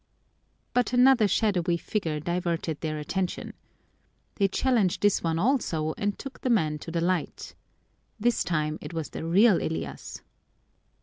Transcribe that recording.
But another shadowy figure diverted their attention. They challenged this one also and took the man to the light. This time it was the real Elias.